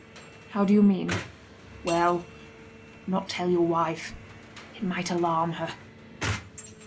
"How do you mean?" "Well, not tell your wife. It might alarm her."